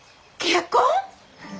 結婚！？